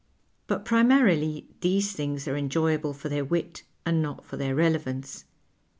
But primarily these things are enjoyable for their wit and not for tiicir relevance.